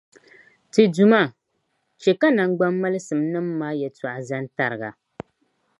Ti Duuma, chɛ ka naŋgbammalisimnim’ maa yɛtɔɣa zan’ tariga.